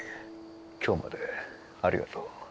今日までありがとう。